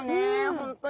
本当に。